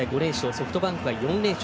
ソフトバンクは４連勝